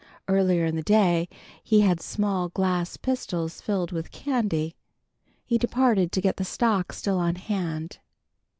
Earlier in the day he had had small glass pistols filled with candy. He departed to get the stock still on hand.